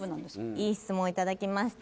いい質問いただきました